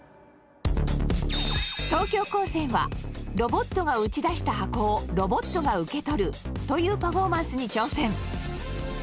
東京高専はロボットが打ち出した箱をロボットが受け取るというパフォーマンスに挑戦。